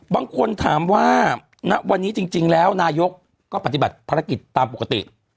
บางคนถามว่าณวันนี้จริงแล้วนายกก็ปฏิบัติภารกิจตามปกติ